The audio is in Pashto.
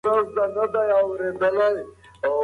مکناتن هڅه وکړه چې برید وکړي.